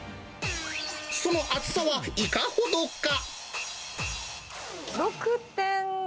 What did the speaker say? その厚さはいかほどか。